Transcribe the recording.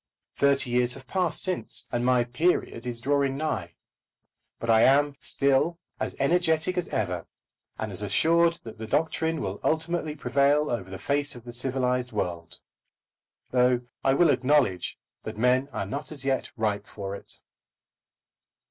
Thirty years have passed since, and my "period" is drawing nigh. But I am still as energetic as ever, and as assured that the doctrine will ultimately prevail over the face of the civilised world, though I will acknowledge that men are not as yet ripe for it.